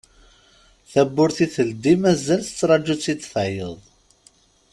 Tawwurt i teldi mazal tettraju-tt-id tayeḍ.